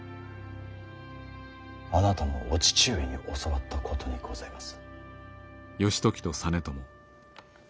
あなたのお父上に教わったことにございます。